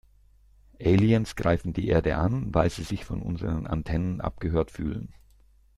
Aliens greifen die Erde an, weil sie sich von unseren Antennen abgehört fühlen.